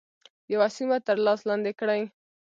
یوه سیمه تر لاس لاندي کړي.